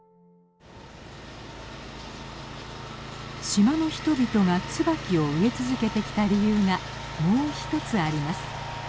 島の人々がツバキを植え続けてきた理由がもう一つあります。